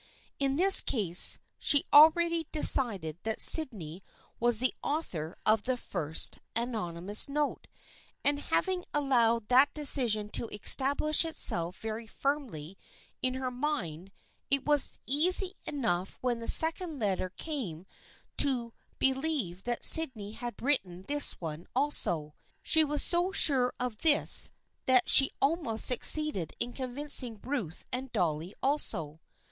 In this case she had already de cided that Sydney was the author of the first 93 94 THE FKIENDSHIP OF ANNE anonymous note, and having allowed that decision to establish itself very firmly in her mind it was easy enough when the second letter came to be lieve that Sydney had written this one also. She was so sure of this that she almost succeeded in convincing Ruth and Dolly also.